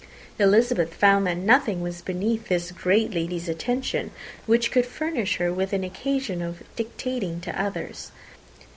Elizabeth found that nothing was beneath this great lady's attention which could furnish her with an occasion for dictating to others.